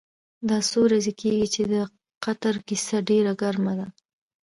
دا څو ورځې کېږي چې د قطر کیسه ډېره ګرمه ده.